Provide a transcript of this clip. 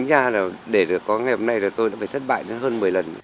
và để được có ngày hôm nay thì tôi đã phải thất bại hơn một mươi lần